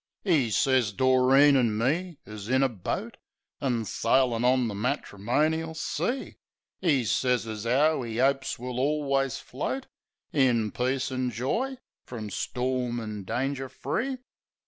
E' sez Doreen an' me is in a boat. An' sailin' on the matrimonial sea. E' sez as 'ow 'e opes we'll alius float In peace an' joy, from storm an' danger free.